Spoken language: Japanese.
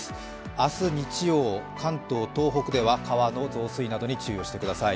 明日日曜、関東、東北では川の増水などに注意をしてください。